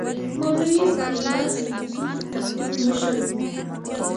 مولوي عبیدالله سندي د تحریک مشر وو.